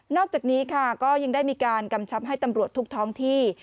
อกจากนี้ค่ะก็ยังได้มีการกำชับให้ตำรวจทุกท้องที่